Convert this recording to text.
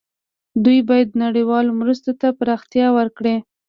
دوی باید نړیوالو مرستو ته پراختیا ورکړي.